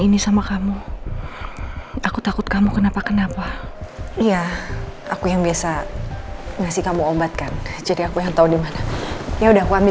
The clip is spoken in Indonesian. ini sama kamu aku takut kamu kenapa kenapa iya aku yang biasa ngasih kamu obatkan jadi